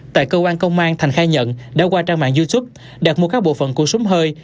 tại cơ quan công an thành khai nhận đã qua trang mạng youtube đạt mua các bộ phận của súng hơi